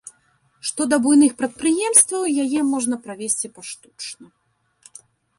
Што да буйных прадпрыемстваў, яе можна правесці паштучна.